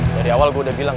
dari awal gue udah bilang